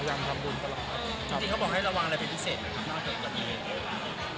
อาจารย์เขาบอกให้ระวังอะไรเป็นพิเศษนะครับนอกจากการเมียน